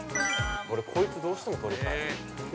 こいつ、どうしてもとりたい。